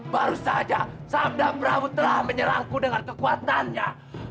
baru saja sabda perahu telah menyerangku dengan kekuatannya